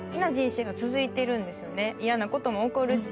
嫌なことも起こるし。